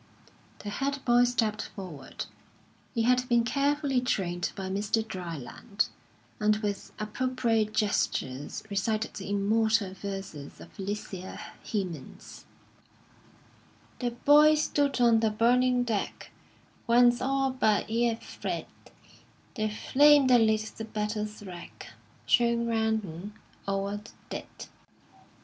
The head boy stepped forward he had been carefully trained by Mr. Dryland and with appropriate gestures recited the immortal verses of Felicia Hemans: "_The boy stood on the burning deck, Whence all but 'e 'ad fled; The flame that lit the battle's wreck, Shone round 'im o'er the dead.